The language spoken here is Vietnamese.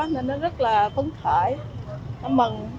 nên nó rất là phấn khởi nó mừng